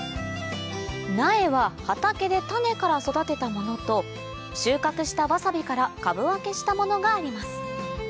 苗は畑で種から育てたものと収穫したわさびから株分けしたものがあります